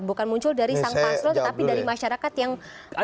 bukan muncul dari sang paslon tetapi dari masyarakat yang